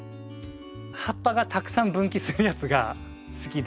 葉っぱがたくさん分岐するやつが好きで。